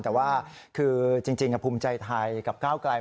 แต่ว่าคือจริงภูมิใจไทยกับก้าวไกล